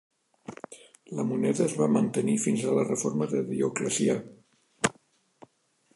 La moneda es va mantenir fins a la reforma de Dioclecià.